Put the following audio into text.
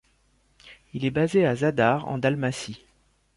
Il est basé à Zadar en Dalmatie.